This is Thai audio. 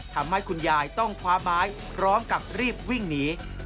ทำให้คุณยายต้องคว้าไม้พร้อมกับรีบวิ่งหนี